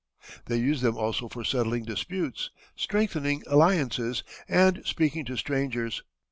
They use them also for settling disputes, strengthening alliances, and speaking to strangers.